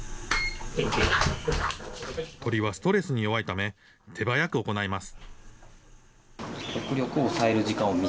鳥はストレスに弱いため、手早く行います。